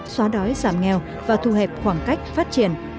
xóa đói giảm nghèo và thu hẹp khoảng cách phát triển